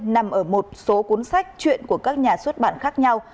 nằm ở một số cuốn sách chuyện của các nhà xuất bản khác nhau